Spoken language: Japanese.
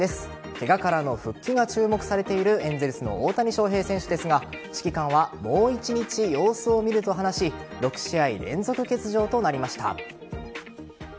けがからの復帰が注目されているエンゼルスの大谷翔平選手ですが指揮官はもう１日様子を見ると話し６試合連続欠場となりました。